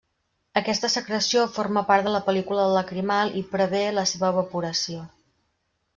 Aquesta secreció forma part de la pel·lícula lacrimal i prevé la seva evaporació.